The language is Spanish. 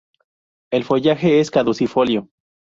El follaje es caducifolio.